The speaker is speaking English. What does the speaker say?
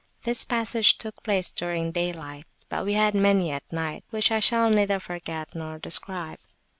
This passage took place during daylight. But we had many at night, which I shall neither forget nor describe.